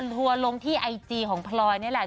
ทัวร์ลงที่ไอจีของพลอยนี่แหละ